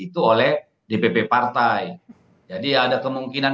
itu oleh dpp partai jadi ada kemungkinan